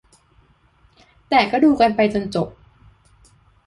แต่ก็ดูกันไปจนจบ